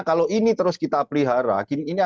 kalau ini terus kita pelihara ini